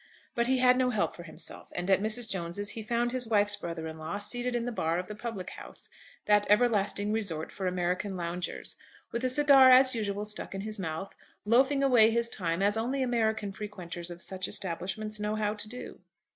But he had no help for himself, and at Mrs. Jones's he found his wife's brother in law seated in the bar of the public house, that everlasting resort for American loungers, with a cigar as usual stuck in his mouth, loafing away his time as only American frequenters of such establishments know how to do.